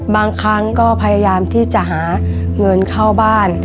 บางครั้งก็พยายามที่จะหาเงินเข้าบ้าน